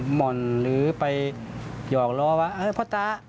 หม่อนหลือไปยอกลองว่า